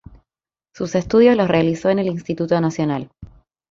Sus estudios los realizó en el Instituto Nacional.